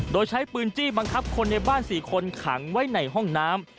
โดยใช้ปืนจี้บังคับคนในบ้าน๔คนขังไว้ในห้องน้ำ